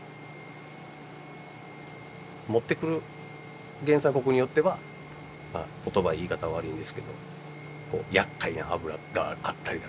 持ってくる原産国によっては言葉言い方悪いんですけどやっかいな油があったりだとか。